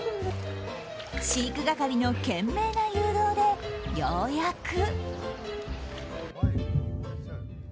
飼育係の懸命な誘導でようやく。